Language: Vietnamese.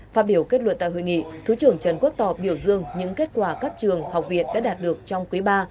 phát biểu kết luận tại hội nghị thứ trưởng trần quốc tỏ biểu dương những kết quả các trường học viện đã đạt được trong quý ba